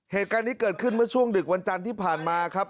เหตุการณ์นี้เกิดขึ้นเมื่อช่วงดึกวันจันทร์ที่ผ่านมาครับ